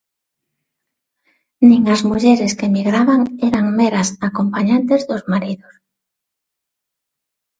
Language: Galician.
Nin as mulleres que emigraban eran meras "acompañantes" dos maridos.